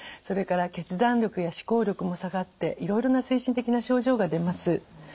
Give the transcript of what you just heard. それから決断力や思考力も下がっていろいろな精神的な症状が出ます。